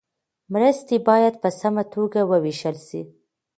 مرستې باید په سمه توګه وویشل سي.